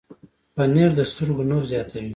پنېر د سترګو نور زیاتوي.